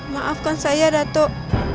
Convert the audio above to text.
maafkan saya datuk